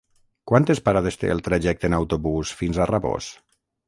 Quantes parades té el trajecte en autobús fins a Rabós?